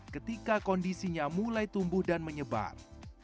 ketika kondisinya mulai tumbuh dan menyebar